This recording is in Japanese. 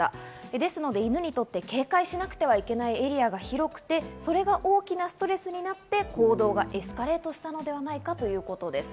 ですので犬にとって警戒しなくてはいけないエリアが広くて、それが大きなストレスになって行動がエスカレートしたのではないかということです。